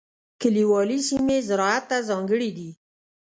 کلیوالي سیمې زراعت ته ځانګړې دي.